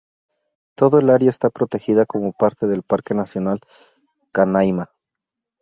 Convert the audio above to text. Toda el área está protegida como parte del Parque nacional Canaima.